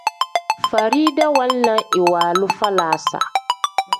Farida waala iwaalu falaasa.